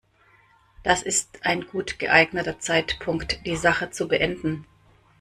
Das ist ein gut geeigneter Zeitpunkt, die Sache zu beenden.